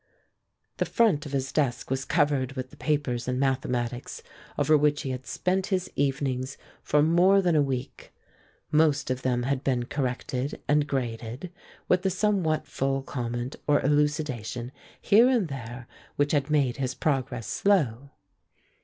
The front of his desk was covered with the papers in mathematics over which he had spent his evenings for more than a week. Most of them had been corrected and graded, with the somewhat full comment or elucidation here and there which had made his progress slow.